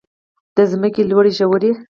د ځمکې لوړې ژورې.